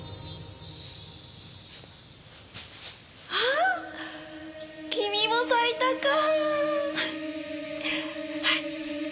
あっ君も咲いたか。